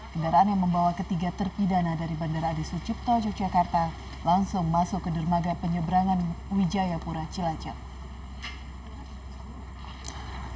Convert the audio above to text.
kendaraan yang membawa ketiga terpidana dari bandara adi sucipto yogyakarta langsung masuk ke dermaga penyeberangan wijayapura cilacap